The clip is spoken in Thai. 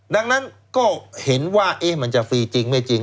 ดังนั้นก็เห็นว่ามันจะฟรีจริงไม่จริง